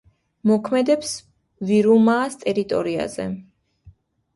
მოქმედებს ვირუმაას ტერიტორიაზე.